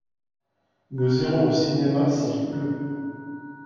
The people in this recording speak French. Nous irons au cinéma s'il pleut.